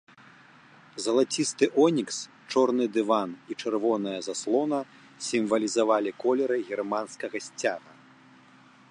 Залацісты онікс, чорны дыван і чырвоная заслона сімвалізавалі колеры германскага сцяга.